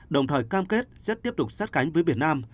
đồng thời cam kết sẽ tiếp tục sát cánh với việt nam